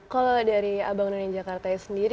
kalau dari abang none jakarta sendiri